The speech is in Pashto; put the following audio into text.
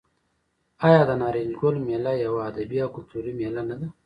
آیا د نارنج ګل میله یوه ادبي او کلتوري میله نه ده؟